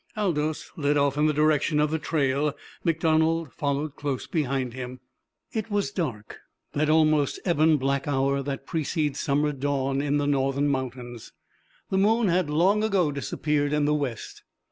Aldous led off in the direction of the trail. MacDonald followed close behind him. It was dark that almost ebon black hour that precedes summer dawn in the northern mountains. The moon had long ago disappeared in the west.